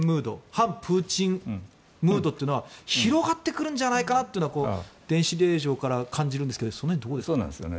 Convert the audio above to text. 反プーチンムードというのは広がってくるんじゃないかなというのは電子令状から感じるんですがその辺、どうなんですか？